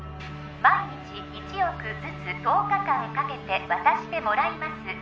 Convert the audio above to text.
毎日１億ずつ１０日間かけて渡してもらいます